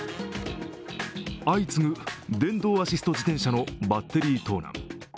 相次ぐ電動アシスト自転車のバッテリー盗難。